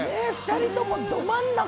２人ともど真ん中。